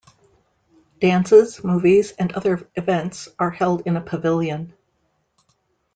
Dances, movies, and other events are held in a pavilion.